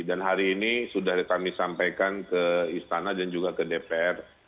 dan hari ini sudah kami sampaikan ke istana dan juga ke dpr